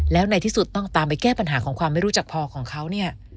แล้วในที่สุดต้องตามไปแก้ปัญหาของความไม่รู้จักพอของเขาเนี่ย